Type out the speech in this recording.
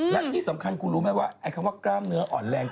และที่สำคัญคุณรู้ไหมว่าไอ้คำว่ากล้ามเนื้ออ่อนแรง